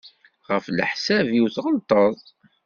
Ɣef leḥsab-iw tɣelṭeḍ.